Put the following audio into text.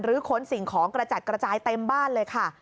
ค้นสิ่งของกระจัดกระจายเต็มบ้านเลยค่ะ